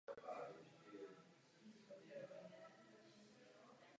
Jsou to aromatické stromy a keře s jednoduchými celokrajnými listy.